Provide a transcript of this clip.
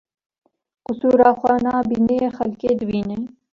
Qisura xwe nabîne yê xelkê dibîne